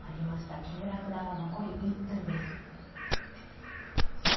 木村九段は残り１分です。